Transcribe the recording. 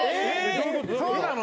そうなの？